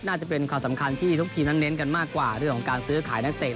หน้าจะเป็นการสำคัญที่ทุกทีมงำเน้นกันมากก่อการซื้อขายนักเตะ